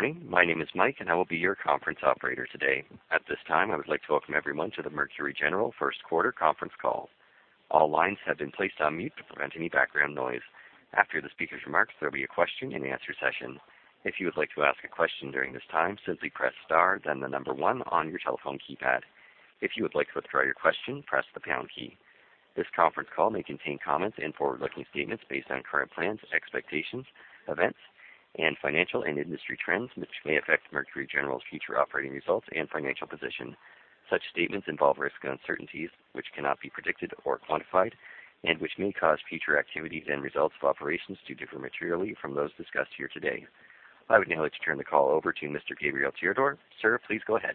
Morning. My name is Mike, and I will be your conference operator today. At this time, I would like to welcome everyone to the Mercury General First Quarter Conference Call. All lines have been placed on mute to prevent any background noise. After the speaker's remarks, there will be a question and answer session. If you would like to ask a question during this time, simply press star, then the number one on your telephone keypad. If you would like to withdraw your question, press the pound key. This conference call may contain comments and forward-looking statements based on current plans, expectations, events, and financial and industry trends, which may affect Mercury General's future operating results and financial position. Such statements involve risks and uncertainties which cannot be predicted or quantified, and which may cause future activities and results of operations to differ materially from those discussed here today. I would now like to turn the call over to Mr. Gabriel Tirador. Sir, please go ahead.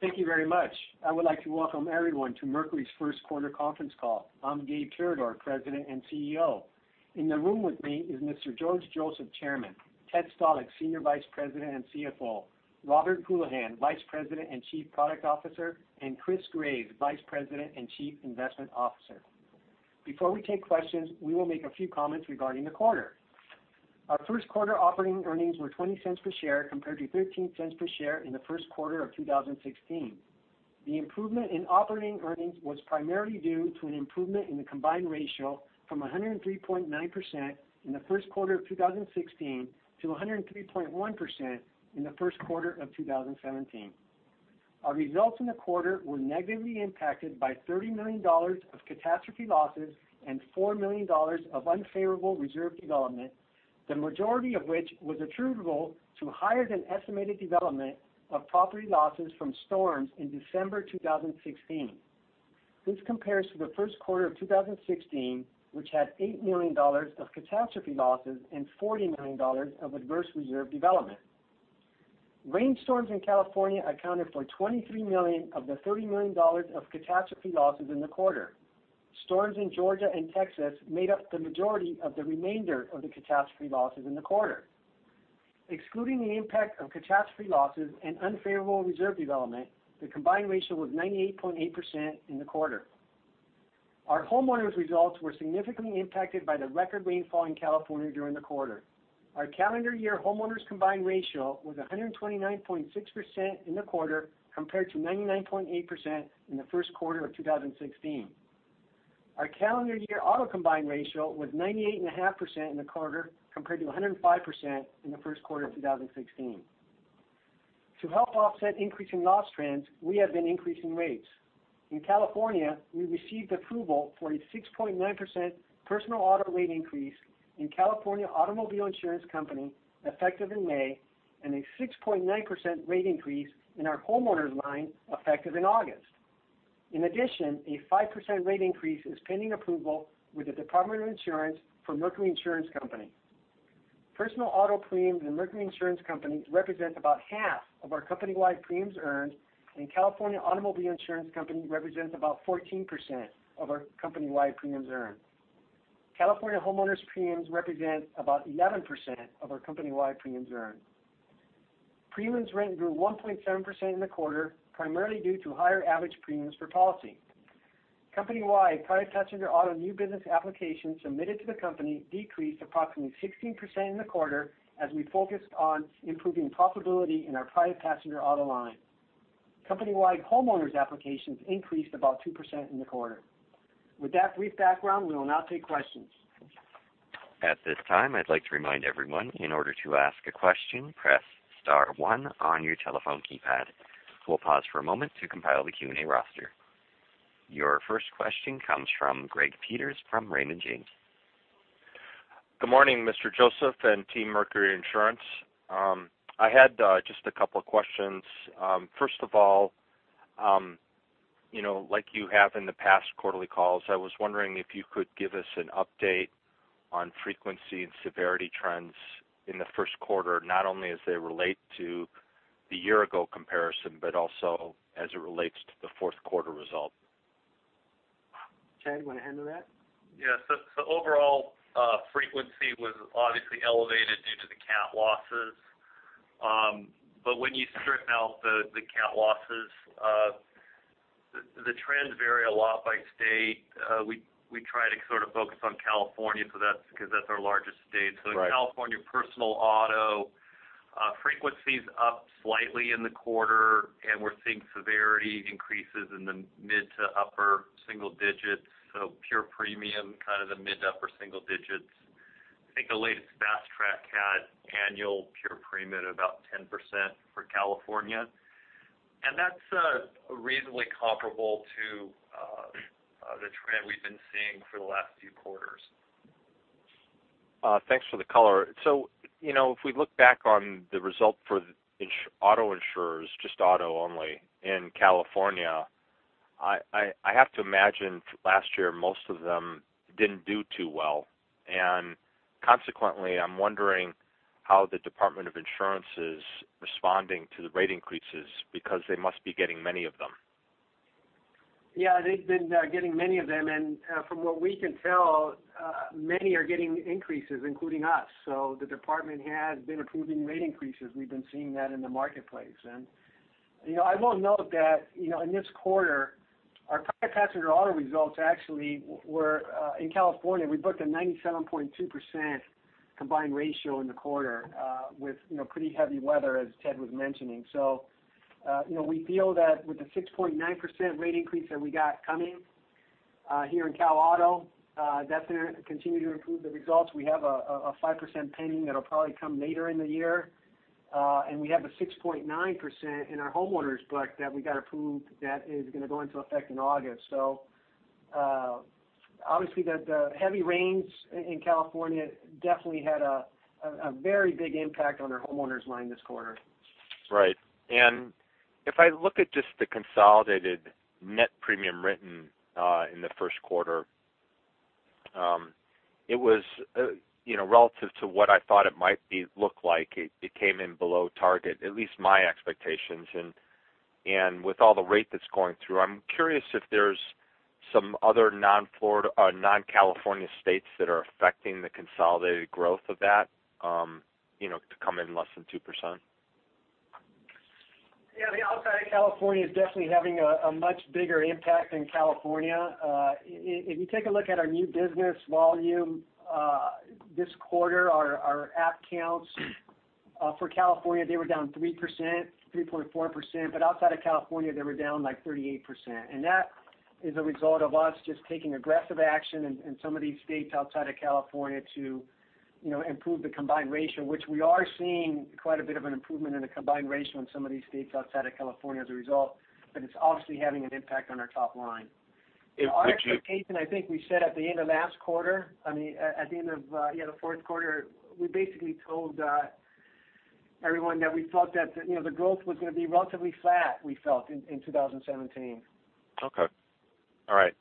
Thank you very much. I would like to welcome everyone to Mercury's first quarter conference call. I'm Gabe Tirador, President and CEO. In the room with me is Mr. George Joseph, Chairman, Ted Stalick, Senior Vice President and CFO, Robert Houlihan, Vice President and Chief Product Officer, and Chris Graves, Vice President and Chief Investment Officer. Before we take questions, we will make a few comments regarding the quarter. Our first quarter operating earnings were $0.20 per share compared to $0.13 per share in the first quarter of 2016. The improvement in operating earnings was primarily due to an improvement in the combined ratio from 103.9% in the first quarter of 2016 to 103.1% in the first quarter of 2017. Our results in the quarter were negatively impacted by $30 million of catastrophe losses and $4 million of unfavorable reserve development, the majority of which was attributable to higher than estimated development of property losses from storms in December 2016. This compares to the first quarter of 2016, which had $8 million of catastrophe losses and $40 million of adverse reserve development. Rainstorms in California accounted for $23 million of the $30 million of catastrophe losses in the quarter. Storms in Georgia and Texas made up the majority of the remainder of the catastrophe losses in the quarter. Excluding the impact of catastrophe losses and unfavorable reserve development, the combined ratio was 98.8% in the quarter. Our homeowners' results were significantly impacted by the record rainfall in California during the quarter. Our calendar year homeowners' combined ratio was 129.6% in the quarter compared to 99.8% in the first quarter of 2016. Our calendar year auto combined ratio was 98.5% in the quarter compared to 105% in the first quarter of 2016. To help offset increasing loss trends, we have been increasing rates. In California, we received approval for a 6.9% personal auto rate increase in California Automobile Insurance Company effective in May, and a 6.9% rate increase in our homeowners' line effective in August. In addition, a 5% rate increase is pending approval with the Department of Insurance for Mercury Insurance Company. Personal auto premiums in Mercury Insurance Company represent about half of our company-wide premiums earned, and California Automobile Insurance Company represents about 14% of our company-wide premiums earned. California homeowners' premiums represent about 11% of our company-wide premiums earned. Premiums written grew 1.7% in the quarter, primarily due to higher average premiums per policy. Company-wide private passenger auto new business applications submitted to the company decreased approximately 16% in the quarter as we focused on improving profitability in our private passenger auto line. Company-wide homeowners applications increased about 2% in the quarter. With that brief background, we will now take questions. At this time, I'd like to remind everyone, in order to ask a question, press star one on your telephone keypad. We'll pause for a moment to compile the Q&A roster. Your first question comes from Greg Peters from Raymond James. Good morning, Mr. Joseph and Team Mercury Insurance. I had just a couple of questions. First of all, like you have in the past quarterly calls, I was wondering if you could give us an update on frequency and severity trends in the first quarter, not only as they relate to the year-ago comparison, but also as it relates to the fourth quarter result. Ted, you want to handle that? Yes. Overall, frequency was obviously elevated due to the cat losses. When you strip out the cat losses, the trends vary a lot by state. We try to sort of focus on California because that's our largest state. Right. In California personal auto, frequency's up slightly in the quarter, and we're seeing severity increases in the mid to upper single digits. Pure premium, kind of the mid upper single digits. I think the latest Fast Track had annual pure premium at about 10% for California. That's reasonably comparable to the trend we've been seeing for the last few quarters. Thanks for the color. If we look back on the result for auto insurers, just auto only in California, I have to imagine last year most of them didn't do too well. Consequently, I'm wondering how the Department of Insurance is responding to the rate increases because they must be getting many of them. Yeah, they've been getting many of them. From what we can tell, many are getting increases, including us. The department has been approving rate increases. We've been seeing that in the marketplace. I will note that in this quarter. Our private passenger auto results actually were, in California, we booked a 97.2% combined ratio in the quarter with pretty heavy weather, as Ted was mentioning. We feel that with the 6.9% rate increase that we got coming here in Cal Auto, that's going to continue to improve the results. We have a 5% pending that'll probably come later in the year. We have a 6.9% in our homeowners book that we got approved that is going to go into effect in August. Obviously the heavy rains in California definitely had a very big impact on our homeowners line this quarter. Right. If I look at just the consolidated net premium written in the first quarter, it was relative to what I thought it might look like. It came in below target, at least my expectations. With all the rate that's going through, I'm curious if there's some other non-California states that are affecting the consolidated growth of that, to come in less than 2%. Yeah. The outside of California is definitely having a much bigger impact than California. If you take a look at our new business volume, this quarter, our app counts for California, they were down 3%, 3.4%, but outside of California, they were down like 38%. That is a result of us just taking aggressive action in some of these states outside of California to improve the combined ratio, which we are seeing quite a bit of an improvement in the combined ratio in some of these states outside of California as a result. It's obviously having an impact on our top line. Our expectation, I think we said at the end of the fourth quarter, we basically told everyone that we thought that the growth was going to be relatively flat, we felt, in 2017. Okay. All right.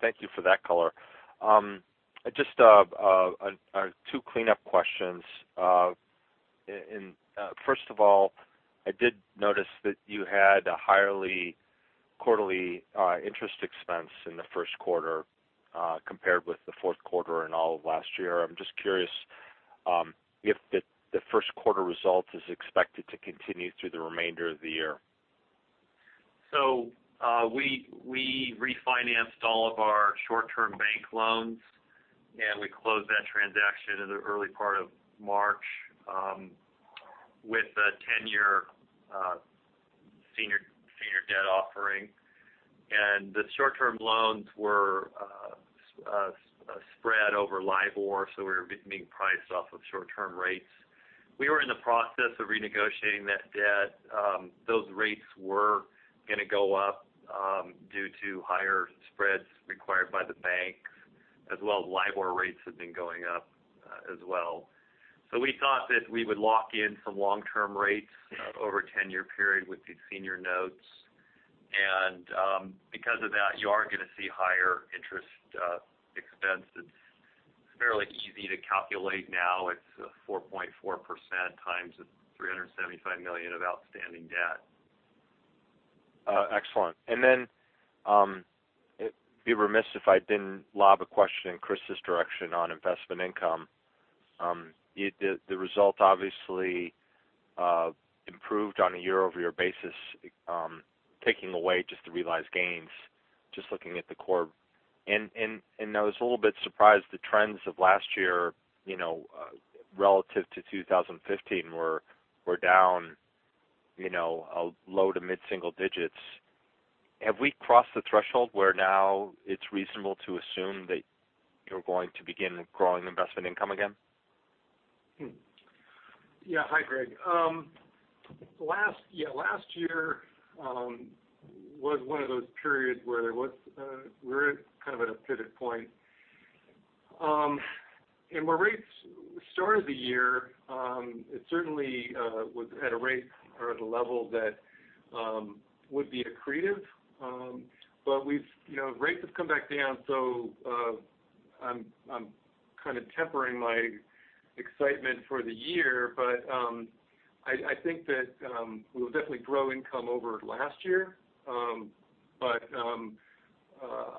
Thank you for that color. Just two cleanup questions. First of all, I did notice that you had a higher quarterly interest expense in the first quarter, compared with the fourth quarter and all of last year. I'm just curious if the first quarter results is expected to continue through the remainder of the year. We refinanced all of our short-term bank loans, and we closed that transaction in the early part of March with a 10-year senior debt offering. The short-term loans were spread over LIBOR, so we were being priced off of short-term rates. We were in the process of renegotiating that debt. Those rates were going to go up due to higher spreads required by the banks, as well as LIBOR rates have been going up as well. We thought that we would lock in some long-term rates over a 10-year period with these senior notes. Because of that, you are going to see higher interest expense. It's fairly easy to calculate now. It's 4.4% times the $375 million of outstanding debt. Excellent. It'd be remiss if I didn't lob a question in Chris's direction on investment income. The result obviously improved on a year-over-year basis, taking away just the realized gains, just looking at the core. I was a little bit surprised the trends of last year, relative to 2015, were down a low to mid-single digits. Have we crossed the threshold where now it's reasonable to assume that you're going to begin growing investment income again? Hi, Greg. Last year was one of those periods where we were kind of at a pivot point. When rates started the year, it certainly was at a rate or at a level that would be accretive. Rates have come back down, so I'm kind of tempering my excitement for the year. I think that we'll definitely grow income over last year.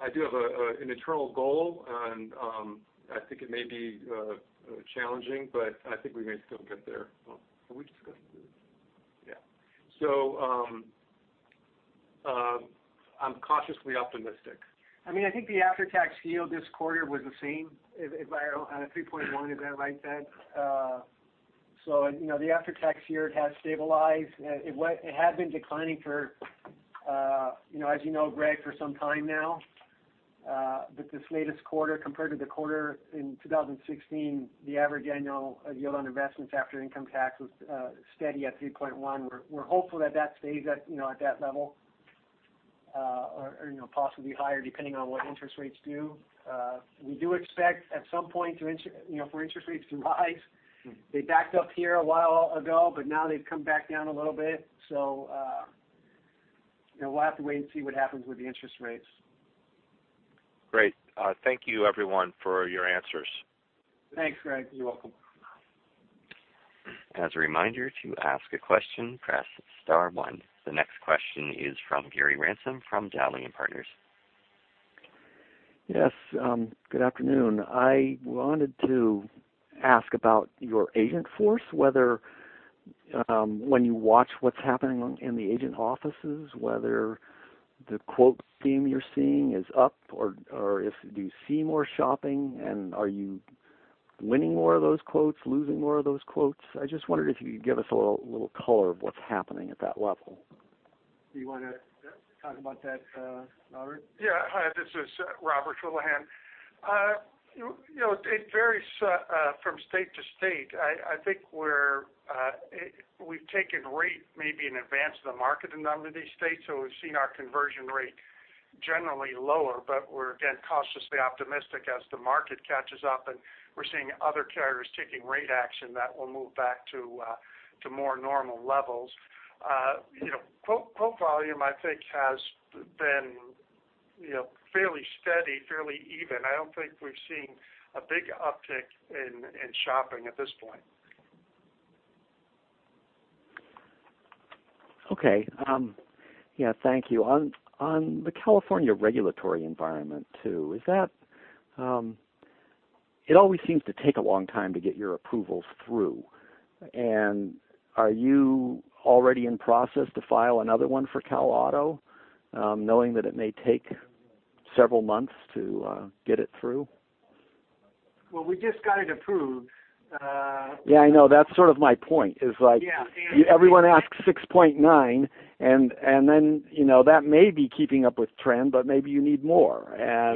I do have an internal goal, and I think it may be challenging, but I think we may still get there. I'm cautiously optimistic. I think the after-tax yield this quarter was the same, if I-- 3.1, is that right, Ted? The after-tax yield has stabilized. It had been declining for, as you know, Greg, for some time now. This latest quarter compared to the quarter in 2016, the average annual yield on investments after income tax was steady at 3.1. We're hopeful that stays at that level, or possibly higher, depending on what interest rates do. We do expect at some point for interest rates to rise. They backed up here a while ago, now they've come back down a little bit. We'll have to wait and see what happens with the interest rates. Great. Thank you, everyone, for your answers. Thanks, Greg. You're welcome. As a reminder, to ask a question, press star one. The next question is from Gary Ransom from Dowling & Partners. Yes. Good afternoon. I wanted to ask about your agent force, whether when you watch what's happening in the agent offices, whether the quote theme you're seeing is up, or do you see more shopping, and are you winning more of those quotes, losing more of those quotes? I just wondered if you could give us a little color of what's happening at that level. Do you want to talk about that, Robert? Yeah. Hi, this is Robert Houlihan. It varies from state to state. I think we've taken rate maybe in advance of the market in a number of these states. We've seen our conversion rate generally lower. We're, again, cautiously optimistic as the market catches up. We're seeing other carriers taking rate action that will move back to more normal levels. Quote volume, I think, has been fairly steady, fairly even. I don't think we've seen a big uptick in shopping at this point. Okay. Yeah, thank you. On the California regulatory environment, too. It always seems to take a long time to get your approvals through. Are you already in process to file another one for Cal Auto, knowing that it may take several months to get it through? Well, we just got it approved. Yeah, I know. That's sort of my point is like. Yeah. Everyone asks 6.9, that may be keeping up with trend, but maybe you need more. Yeah.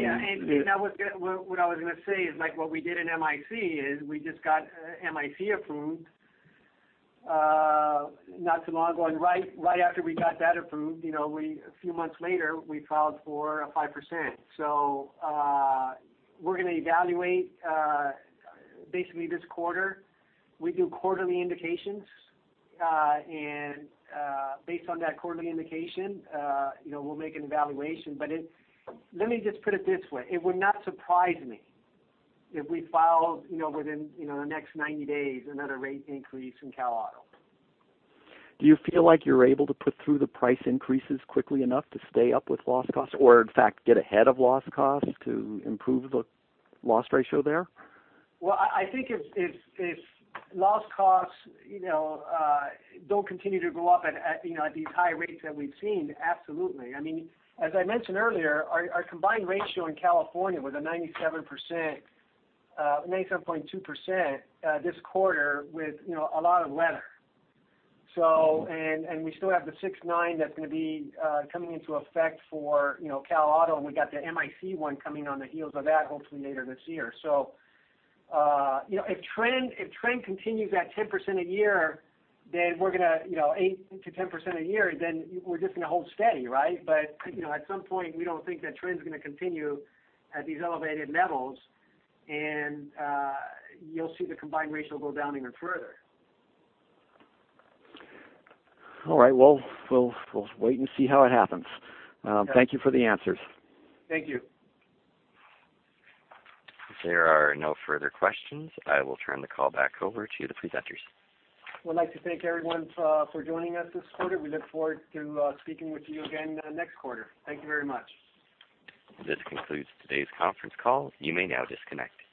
What I was going to say is like what we did in MIC is we just got MIC approved not too long ago. Right after we got that approved, a few months later, we filed for a 5%. We're going to evaluate basically this quarter. We do quarterly indications. Based on that quarterly indication, we'll make an evaluation. Let me just put it this way. It would not surprise me if we filed within the next 90 days another rate increase in Cal Auto. Do you feel like you're able to put through the price increases quickly enough to stay up with loss costs or, in fact, get ahead of loss costs to improve the loss ratio there? I think if loss costs don't continue to go up at these high rates that we've seen, absolutely. I mean, as I mentioned earlier, our combined ratio in California with a 97%, 97.2% this quarter with a lot of weather. We still have the 6.9 that's going to be coming into effect for Cal Auto, and we got the MIC one coming on the heels of that, hopefully later this year. If trend continues at 10% a year, then we're going to 8%-10% a year, then we're just going to hold steady, right? At some point, we don't think that trend's going to continue at these elevated levels, and you'll see the combined ratio go down even further. All right. Well, we'll wait and see how it happens. Yeah. Thank you for the answers. Thank you. If there are no further questions, I will turn the call back over to the presenters. We'd like to thank everyone for joining us this quarter. We look forward to speaking with you again next quarter. Thank you very much. This concludes today's conference call. You may now disconnect.